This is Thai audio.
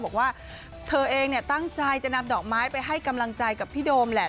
บอกว่าเธอเองเนี่ยตั้งใจจะนำดอกไม้ไปให้กำลังใจกับพี่โดมแหละ